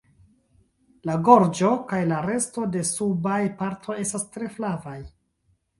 La gorĝo kaj la resto de subaj partoj estas tre flavaj.